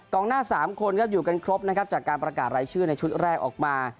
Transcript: หน้า๓คนครับอยู่กันครบนะครับจากการประกาศรายชื่อในชุดแรกออกมา